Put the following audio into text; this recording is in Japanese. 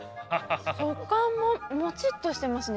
食感もモチっとしてますね